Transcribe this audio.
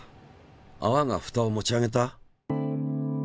あわがふたを持ち上げた？